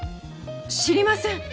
知りません。